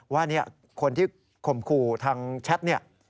ว่าคนที่ข่มครูทางแชทนี่